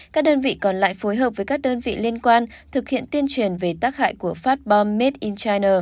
các đơn vị còn lại phối hợp với các đơn vị liên quan thực hiện tuyên truyền về tác hại của phát bom made in china